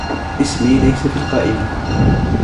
اسمي ليس في القائمة.